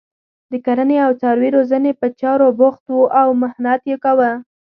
د کرنې او څاروي روزنې په چارو بوخت وو او محنت یې کاوه.